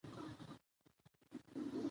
لعل د افغان ماشومانو د زده کړې موضوع ده.